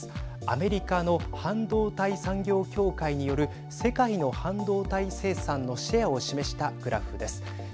アメリカの半導体産業協会による世界の半導体生産のシェアを示したグラフです。